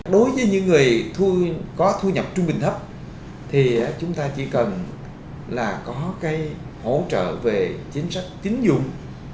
đối với những người có thu nhập trung bình thấp thì chúng ta chỉ cần là có cái hỗ trợ về chính sách tín dụng